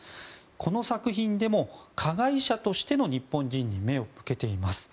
この作品でも加害者としての日本人に目を向けています。